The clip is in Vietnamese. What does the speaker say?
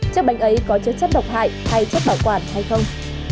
chiếc bánh ấy có chất chất độc hại hay chất bảo quản hay không